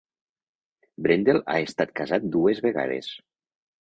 Brendel ha estat casat dues vegades.